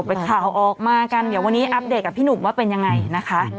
เป็นข่าวออกมากันเดี๋ยววันนี้อัปเดตกับพี่หนุ่มว่าเป็นยังไงนะคะ